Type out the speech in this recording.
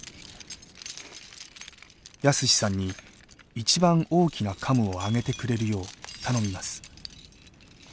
泰史さんに一番大きなカムを上げてくれるよう頼みます。